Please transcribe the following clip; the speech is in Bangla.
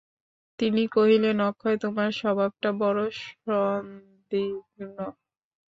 তিনি কহিলেন, অক্ষয়, তোমার স্বভাবটা বড়ো সন্দিগ্ধ।